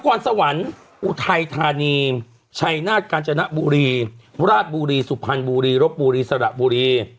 คอนสวรรค์อุทัยธานีชัยนาฏกาญจนบุรีราชบุรีสุพรรณบุรีรบบุรีสระบุรี